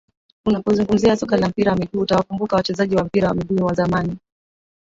unapozungumzia soka la mpira wa miguu utawakumbuka wachezaji wa mpira wa miguu wa zamani